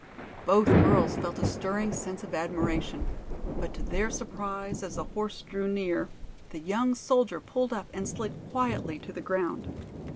Both girls felt a stirring sense of admiration. But to their surprise, as the horse drew near the young soldier pulled up and slid quietly to the ground.